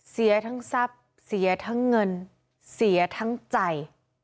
เสียทั้งทรัพย์เสียทั้งเงินเสียทั้งใจ